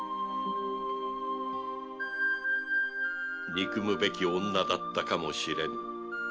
憎むべき女だったかもしれぬ。